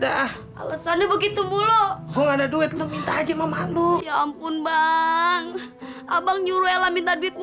dah alasannya begitu mulu kalau ada duit lu minta aja mama lu ya ampun bang abang nyuruh ella minta duit